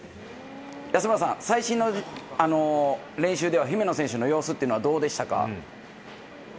安村さん、最新の練習では姫野選手の様子はどうでしたか？